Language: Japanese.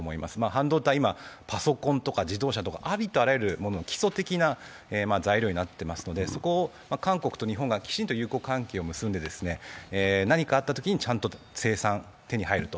半導体、今パソコンとか自動車とかありとあらゆる基礎的な材料になっていますので、そこを韓国と日本がきちんと友好関係を結んで、何かあったときにちゃんと手に入ると。